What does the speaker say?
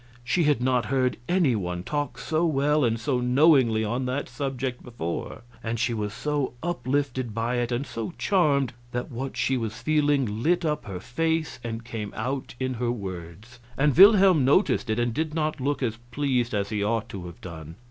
She had not heard any one talk so well and so knowingly on that subject before, and she was so uplifted by it and so charmed that what she was feeling lit up her face and came out in her words; and Wilhelm noticed it and did not look as pleased as he ought to have done.